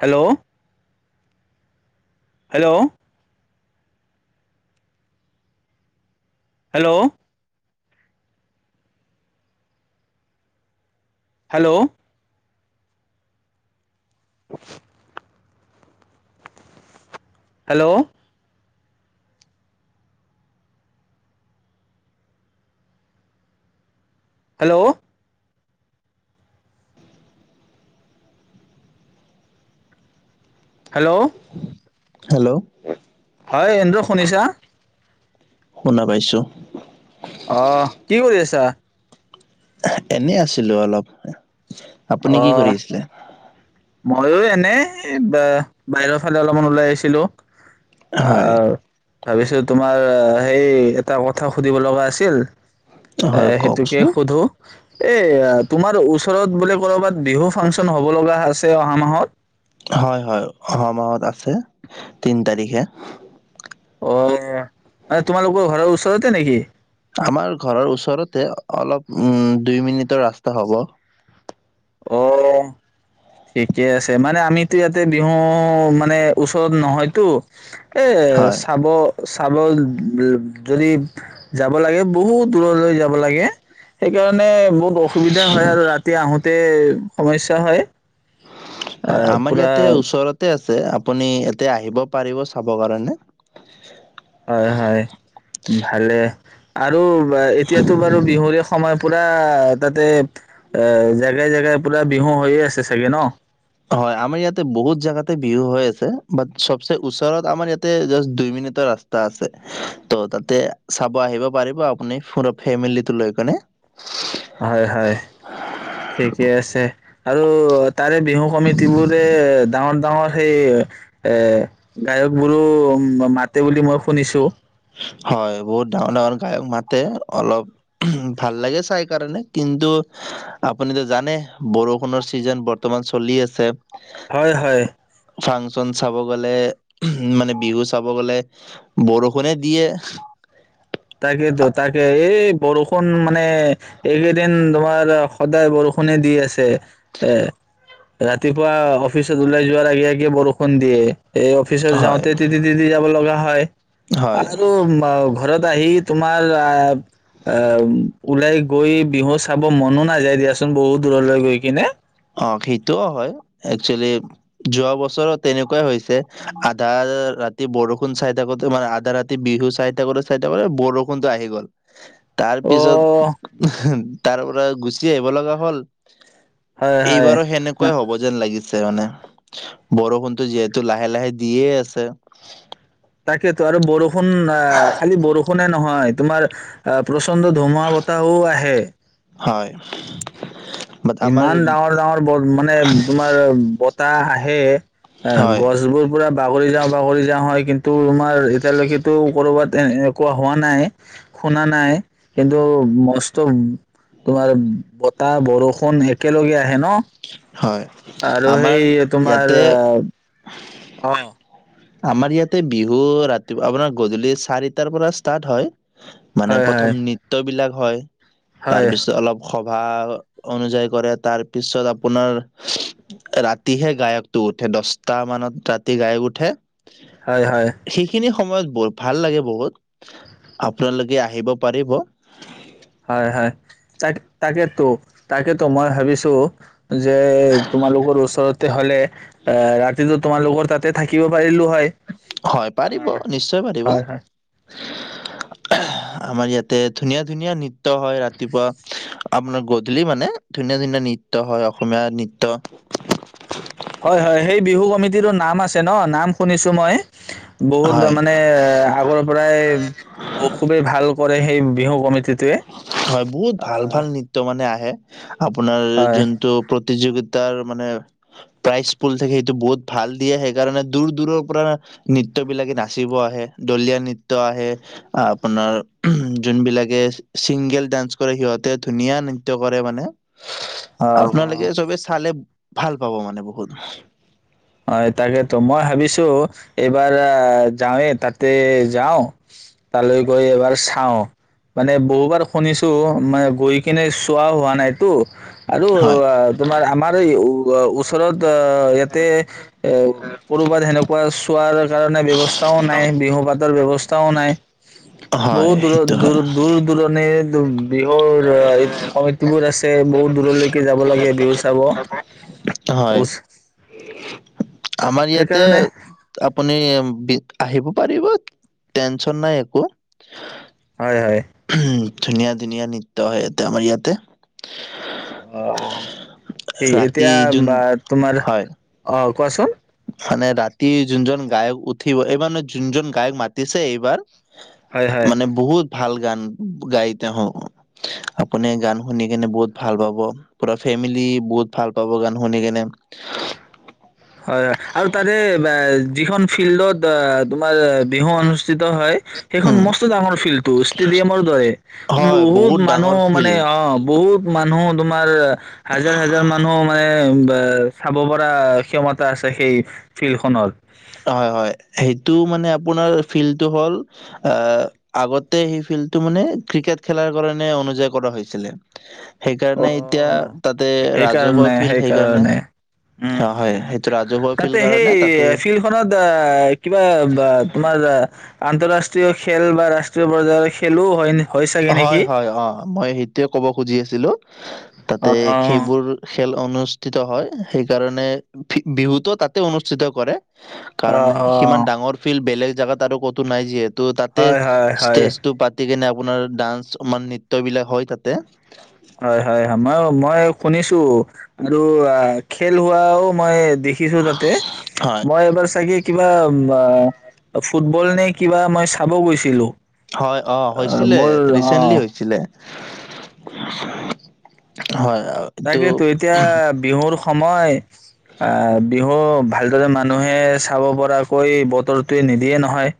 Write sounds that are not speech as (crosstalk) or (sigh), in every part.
Hello, hello. Hello. Hello. (inaudible) Hello. Hello. (inaudible) Hello. Hello. হয় এন্দ্ৰ শুনিছা শুনা পাইছোঁ। অহ। কি কৰি আছা? এহ, এনে আছিলোঁ অলপ। আপুনি অ কি কৰি আছিলে? ময়ো এনে, ব-বাহিৰৰ ফালে অলপমান ওলাই আহিছিলোঁ। হয় আৰ্ ভাবিছো তোমাৰ সেই এটা কথা সুধিব লগা আছিল। এ, হয় সেইটোকে কওকচোন সোধো, এই তোমাৰ ওচ ওচৰবোলে ক'ৰবাত বিহু ফাংচন হ'ব লগা আছ ছে অহা মাহত হয়, হয় অহা মাহত আছে তিন তাৰিখে। অ', তোমালোকৰ ঘৰৰ ওচৰতে নেকি? আমাৰ ঘৰৰ ওচৰতে অলপ উম, দুই মিনিটৰ ৰাস্তা হ'ব। অ'। ঠিকে আছে মানে আমিতো ইয়াতে বিহু মানে ওচৰত নহয়তো এ, হয় চাব চাব যদি যাব লাগে বহুত দূৰলৈ যাব লাগে, সেইকাৰণে মানে বহুত অসুবিধা হয় আৰু ৰাতি আহোত ততে সমস্যা হয়। হয় আহ আমাৰ পুৰা ইয়াতে ওচৰতে আছে। আপোনি এতিয়া পাৰিব চাবৰ কাৰনে হয, হয়, ভাল, আৰু বা এতিয়াতো বাৰু বিহুৰে সময় পুৰা তাতে এ, জেগাই জেগাই পুৰা বিহু হৈয়ে আছে চাগে ন'। হয়, আমাৰ ইয়াতে বহুত জেগাতে বিহু হৈ আছে, বাত্ চবচে ওচৰত আমাৰ ইয়াতে বাচ দুই মিনিটৰ ৰাস্তা আছে তো তাতে চাব আহিব পাৰিব আপুনি ফুৰিব ফেমিলিটো লৈ পিনে। হয়, হয় ঠিকে আছে আৰু তাৰে বিহু কমিতি বোৰে ডাঙৰঙ তঙৰ সেই এ গায়কবোৰো মাতে বুলি মই শুনিছো। হয়, বহুত ডাঙৰ ডাঙৰ গায়ক মাতে অলপ ভাল লাগে চাই কাৰণে কিন্তু আপুনিতো জানে বৰষুণৰ চিজন বৰ্তমান চলি আছে। হয়, হয়। ন' চাব গ'লে উ মানে বিহু চাব গলে বৰষ ষুনে দিয়ে তাকেইেতো তাকে এই বৰষুণ মানে এইকেইদিন তোমাৰ সদায় বৰষুণে দি আছে এ, ৰাতিপুৱা অফিচত ওলাই যোৱাৰ আগে আগে বৰষুণ দিয়ে। এই অফিচত হয়, যাওঁতে তিতি তিতি যাব লগা হয়। হয়। হয়। আৰু ম আহি তোমাৰ অ'। ওলাই গৈ বিহু চাব মনো নাযায় দিয়াচোন বহুত দূৰলৈ গৈ কিনে। অ', সেইটোও হয় একচুৱেলি যোৱা বছৰো তেনেকুৱাই হৈছে, আধা ৰাতি বৰষুণ চাই থাকোতে মানে আধা ৰাতি বিহু চাই থাকোতে চাই থাকোঁতে বৰষুণটো আহি গ'ল। তাৰ পিছত, অ', তাৰ পৰাৰা গুচি আহিব লগা হ'ল, হয়, হয়। এইবাৰো সেনেকুৱাই হ'ব যেন লাগিছে মানে, বৰষুণটো যিহেতু লাহে লাহে দিয়ে আছে। তাকেইতো আৰু বৰষুণ আহ খালি বৰষুণে নহয় তোমাৰ আহ প্ৰচণ্ড ধুমুহা বতাহও আহে। হয়। বাট আমাৰ ইমান ডাঙৰ ডাঙৰ ব মানে-তোমাৰ। বতাহ আহে। আ হয় গছবোৰ পোৰা। বাগৰি যাওঁ বাগৰি যাওঁ হয়, কিন্তু তোমাৰ এতিয়ালৈকেেতো কৰবাত এ এনেকুৱা হোৱা নাই শুনা নাই কিন্তু মস্ত তোমাৰ। বতাহ বৰষূ। একেলগে আহে ন। (inaudible) হয় আৰু আমাৰ সেই ইয়াতে। অহ। আমাৰ ইয়াতে বিহু ৰাতিপুৱা আপোনাৰ গধূলি চাৰিটাৰ পৰা ষ্টাৰ্ট হয়। মানে হয়, হয়, প্ৰথম নৃত্যবিলাক। হয়। তাৰপিছত অলপ। ভা অনুযায়ী কৰে, তাৰপিছত আপোনাৰ ৰাতিহে গায়কটো উঠে দশটা মানত ৰাতি গায়ক উঠে। হয় হয়। সেইখিনি সময়ত বৰ ভাল লাগে বহুত আপোনালোকে আহিব পাৰিব। হয় হয় তাকে তাকেতো-তাকেতো মই ভাবিছো। যে তোমালোকৰ ওচৰত। তে তে হ'লে। এ ৰাতিতো তোমালোকৰ। তাতে থাকিব পাৰিলো। হয় হয় পাৰিব আহ নিশ্চয় পাৰিব। হয় হয় আমাৰ ইয়াতে ধুনীয়া ধুনীয়া নৃত্য হয় ৰাতিপুৱা আপোনাৰ গধূলি মানে ধুনীয়া ধুনীয়া নৃত্য হয় অসমীয়া নৃত্য। হয়, হয় সেই বিহু কমিটটো নাম আছে ন' নাম শুনিছো মই। বহুত হয় মানে আগৰ পৰাই খুবেই ভাল কৰে। সেই বিহু কমি। হয় বহুত ভাল ভাল নৃত্য মানে আহে। (unintelligible) আপোনাৰ হয় যোনটো প্ৰ। প্ৰতিযোগিতাৰ মানে প্ৰাইজ পুল থাকে সেইটো বহুত ভাল দিয়ে সেইকাৰণে দূৰ দূৰৰ পৰা নৃত্যবিলাকে নাচিব আহে দলিয় নৃত্য আহে আপোনাৰ যোনবিলাকে ছিংগেল ডান্স কৰে সিহঁতে ধুনীয়া নৃত্য কৰে মানে। অ আপোনালোকে চবে চালে। ভাল পাব মানে বহুত। হয় তাকেতো মই ভাবিছো এইবাৰ যাওঁৱে তাতে যাও তালৈ গৈ এবাৰ চাও মানে বহুবাৰ শুনিছো মানে গৈ কিনে চোৱাও হোৱানাইটো। আৰু হয় তোমাৰ আমাৰ এই উ (unintelligible) তলত ইয়াতে এ কৰোবাত সেনেকোৱা চ চোৱাৰ কাৰণে ব্যৱস্থাও নাই, বিহুপাতৰ ব্যৱস্থাও নাই। হয় বহুত দূৰৰ সেইটো দূৰ হয় দূৰ দূৰণিৰ বিহুৰ এই কমিটিবোৰ আছে বহুত দূৰলৈকে যাব লাগে বিহু চাব। হয়। ওচ- আমাৰ ইয়াতে সেইকাৰণে আপুনি আহিব পাৰিব টেনচন নাই একো। হয় হয়। ধুনীয়া ধুনীয়া নৃত্য হয় ইয়াতে, আমাৰ ইয়াতে। অ' ঠিক ৰাতি এতিয়া যোন বা তোমাৰ হয় অ' কোৱাচোন মানে ৰাতি যোনজন গায়ক উঠিব, এইবাৰ ন যোনজন গায়ক মাতিছে এইবাৰ হয় হয় মানে বহুত ভাল গান গাই তেওঁ, আপুনি গান শুনি কেনে বহুত ভাল পাব পুৰা ফেমিলি বহুত ভাল পাব গান শুনি কেনে। হয় হয় আৰু তাৰে বা যিখন ফিল্ডত অ তোমাৰ বিহু অনুষ্ঠিত হয় সেইখন উম মষ্ট ডাঙৰ ফিল্ডতটো ষ্টেডিয়ামৰ দৰে হয় বহুত মানুহ ডাঙৰ মানে ফিল্ড অ বহুত মানুহো তোমাৰ হাজাৰ হাজাৰ মানুহো মানে এ চাব পৰা ক্ষমতা আছে সেই ফিল্ড খনত। হয় হয়, সেইটো মানে আপোনাৰ ফিল্ডটো হ'ল আগতে সেই ফিল্ডটো মানে ক্ৰিকেট খেলাৰ কাৰণে অনুায়ী কৰা হৈছিলে। অ' সেইকাৰণে এতিয়া তাতে ৰাজহুৱা ফিল্ড সেইকাৰণে উম, অ হয় উম। সেইটো ৰাজহুৱা তাতে ফিল্ড সেই কাৰণে তাতে ফিল্ডখনত আ কিবা তোমাৰ আন আন্তঃৰাষ্ট্ৰীয় খেল বা ৰাষ্ট্ৰীয় পৰ্যায়ৰ খে হয় হয় অ মই সেইটোয়ে কব খুজি আছিলো। তাতে অ'। সেইবোৰ খেল অনু অনুষ্ঠিত হয় সেইকাৰণে বিহুটো তাতে অনুষ্ঠিত কৰে। অ', কাৰণ সিমান অ', ডাঙৰ ফিল্ড বেলেগ জাগাত আৰু কতো নাই যিহে ত তাতে হয়, হয়, হয়, ষ্টেজটো পা সেই কেনে আপোনাৰ ডান্স নৃত্য বিলাক হয় তাতে। হয় হয় হয় মই-মই। শুনিছো আৰু খেল হোৱাও মই দেখিছোঁ তাতে হয়, মই এবাৰ চাগে। কিবা বা ফুটবল নে কিবা মই চাব গৈছিলো। হয় অ', হৈছিলে মোৰ ৰিচেন্টলি অ', হৈছিলে। হয়। অ, এইটো তাকেইেতো এতিয়া বিহুৰ। সময়। অ', বিহু অ', ভালদৰে মানুহে চাব পৰাকৈ বতৰটোৱে নিদিয়ে নহয়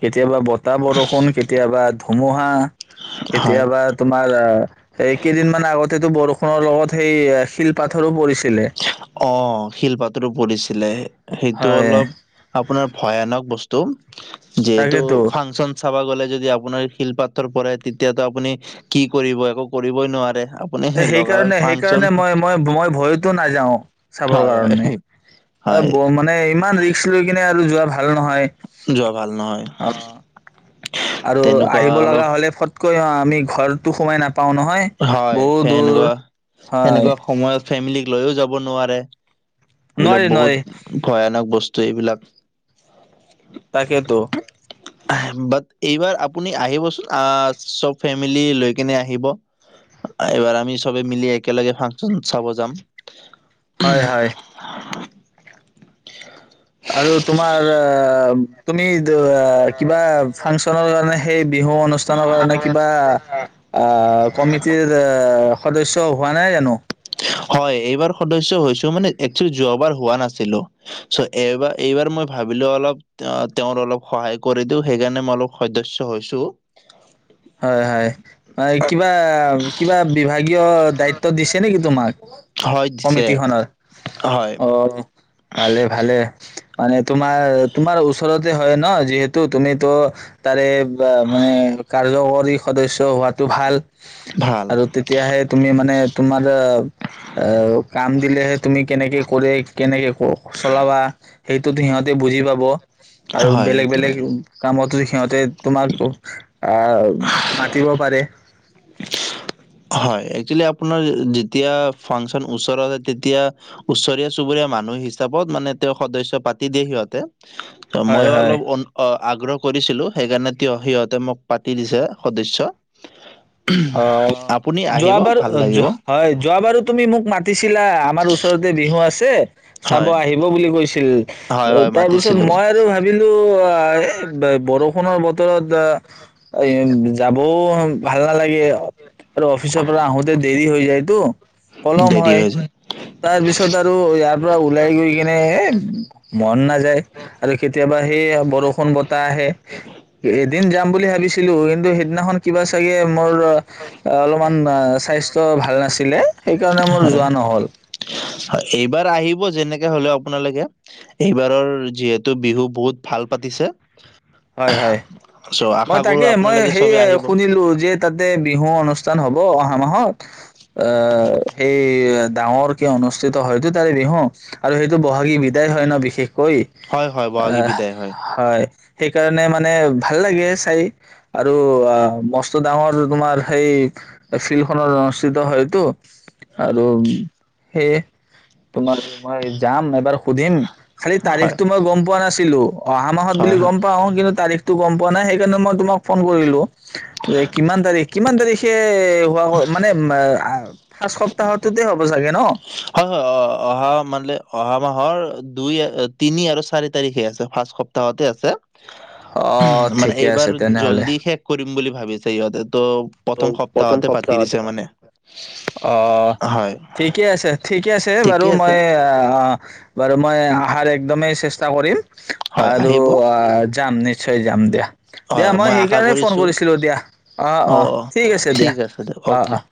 কেতিয়াবা বতাহ, বৰষুণ কেতিয়াবা ধুমুহা। হয়। কেতিয়াবা তোমাৰ অ', এই কেইদিনমান আগত। টো বৰষ নৰ লগত সেই শিল পাথৰো পৰিছিল। অ', শিল পাথৰো পৰিছে। লে। সেইটো হয় অলপ আপোনাৰ ভয়ানক বস্তু। তম। যিহেতু তাকেতো ফাংচন চাব গ'লে। যদি আপোনাৰ শিল পাথৰ পৰে তেতিয়াাতো আপুনি কি কৰিব একো কৰিবই নোৱাৰে। আপুনি এ, লগালগ সেইকাৰণে ফাংচন সেইকাৰণে মই মই-মই ভয়তো নাযাওঁ চাবৰ হয়, হয়। কাৰণে এ হয়, বো মানে ইমান ৰিস্ক লৈ কিনে যোৱা ভাল নহয়। যোৱা ভাল নহয়। অ আৰু তেনেকুৱা আহিব লগা অলপ হ'লে ফট ক, অ', আমি ঘৰতো সোমাই নাপ হয় সেনেকুৱা হয় সেনেকুৱা সময়ত ফেমিলি লৈও যাব নোৱাৰে। নোৱাৰি এইবিলাক নোৱাৰি বহুত ভয়ানক বস্তু এইবিলাক। (inaudible) তাকেতো বাট এইবাৰ আপুনি আহিবচোন আ চব ফেমিলি লৈ কেনে আহিব। এইবাৰ আমি চবে মিলি একেলগে ফাংচন চাব যাম। হয় হয়। আৰু তোমাৰ আ-তুমি। আ কিবা ফাংচনৰ মানে সেই বিহু অনুষ্ঠানৰ কাৰণে কিবা আহ কমিটিৰ অ। সদস্য হোৱা নাই জানো। হয় এইবাৰ সদস্য হৈছো মানে একচেলী যোৱাবাৰ হোৱা নাছিলো চ এইবাৰ এইবাৰ মই ভাবিলো অলপ তেওঁৰ অলপ সহায় কৰি দিও সেইকাৰণে মই অলপ সদস্য হৈছো। হয় হয় হয় কিবা কিবা বিভাগীয়। দায়িত্ব দিছে নেকি তোমাক হয় দিছে কমিটিখনত হয় অ। ভালে ভালে মানে তোমাৰ তোমাৰ ওচৰতে হয় ন যিহেতু তুমিতো তাৰে। বা-মানে। (unintelligible) সদস্য হোৱাতটো ভাল। ভাল আৰু তেতিয়াহে তুমি মানে তোমাৰ-অ কাম। দিলে। তুমি কেনেকে কৰে কেনেকে চলাবা। সেইটোতো সিহঁতে বুজি পাব। আৰু হয় বেলেগ সেইটো বেলেগ হয়। কামতো। সিহঁতে তোমাৰ। আহ মাতিব পাৰে। হয় একচেলি আপোনাৰ যেতিয়া ফাংচন ওচৰতছে তেতিয়া ওচৰীয়া চুবুৰীয়া মানুহ হিচাপত মানে তেওঁ সদস্য পাতি দিয়ে সিহঁতে। ত হয় ময়ো হয় অলপ অ। আগ্ৰহ কৰিছিলো সেইকাৰণে সিহঁতে মোক পাতি দিছে সদস্য। অ। আপুনি আহিব যোৱাবাৰ ভাল লাগিব হয় যোৱাবাৰো তুমি মোক মাতিছিলা। আমাৰ ওচৰতে বিহু আছে। তে। চাব হয় আহিব বুলি কৈছে। হয় (unintelligible) হয় তাৰপিছত মাতিছিলো। মই আৰু ভাবিলো। আ ব-বৰষুণৰ বতৰত আ। এ যাবও ভাল। নালাগে। আৰু অফিচৰ পৰা আহোতে দেৰি হৈ যায়। দু। পলম দেৰি হয় হৈ যায় তাৰ পিছত আৰু ইয়াৰ পৰা ওলাই গৈ কিনে এ মন নাযায় আৰু কেতিয়াবা সেই বৰষুণ বতাহ আহে এদিন যাম বুলি ভাবিছো। ছিলো কিন্তু সেইদিনাখন কিবা চাগে (unintelligible) অলমান অ চাইজ চ ভাল নাছিলে সেইকাৰণে মোৰ হয় যোৱা নহ'ল হয় এইবাৰ আহিব যেনেকে হ'লেও আপোনালোকে এইবাৰৰ যিহেতু বিহু বহুত ভাল পাতিছে হয় হয় চ' মই আশা কৰো তাকে মই আপোনালোকে সেই চবে আহিব। শুনিলো যে তাতে বিহু অনুষ্ঠান হ'ব অ' অহা মাহত অ' সেই ডাঙৰকে অনুষ্ঠিত হয়টো তাৰে বিহু আৰু সেইটো বহাগী বিদাই হয় ন বিশেষ কৈ হয় হয় বহাগী আঃ বিদায় হয় সেইকাৰণে মানে ভাল লাগে চাই আৰু অ মস্ত ডাঙৰ তোমাৰ সেই (unintelligible) দ হয়তো, আৰু উ! সেইয়ে, তুমাল তোমাৰ, (inaudible) জাম এবাৰ সুধিম খালি হয় তাৰিখতো মই গম পোৱা নাছি তিলো, অহা মাহত বুলি হয় হয় গম তাৰিখতটো গম পোৱা নাই সেইকাৰণে মই তোমাক ফোন কৰিলো যে কিমান তাৰিখ কিমান তাৰিখ এইইই হোৱা হোৱা মানে উম্ আ আ আ ফাচ সপ্তাহতটোতে হ'ব চাগে ন! হয় হয় অ অ অহা মানে অহা মাহৰ দুই এ তিনি আৰু চাৰি তাৰিখে আছে ফাচ সপ্তাহতে আছে অ' মানে ঠিকে এইবাৰ আছে তেনেহলে! জল্দি শেষ কৰিম বুলি ভাবিছে ইহঁতেত ত' প্ৰথম সপ্তাহতে পাতি দিছে মানে হয় ঠিকেই আছে বাৰু ঠিকে আছে মই আ আ বাৰু মই আহাৰ একদমেই চেষ্টা কৰিম হয় আৰু আহিব আ যাম নিশ্চয় যাম দিয়া। দিয়া হয় মই আশা সেইকাৰনে ফোন কৰিছো কৰিছিলো দিয়া অ অ' তিক আছে দিয়া ঠিক দিয়ক অ' অকে। অ'